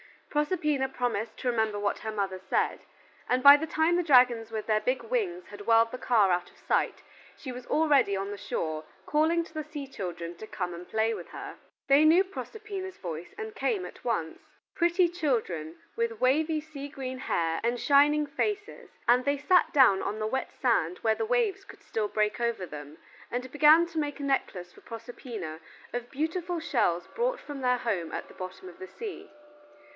Proserpina promised to remember what her mother said, and by the time the dragons with their big wings had whirled the car out of sight she was already on the shore, calling to the sea children to come to play with her. They knew Proserpina's voice and came at once: pretty children with wavy sea green hair and shining faces, and they sat down on the wet sand where the waves could still break over them, and began to make a necklace for Proserpina of beautiful shells brought from their home at the bottom of the sea.